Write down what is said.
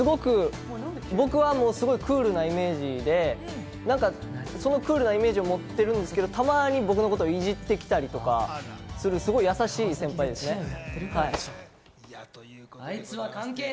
僕はすごいクールなイメージでそのクールなイメージを持ってるんですけど、たまに僕のこといじってきたりとかする、すごいやさしい先輩ですね。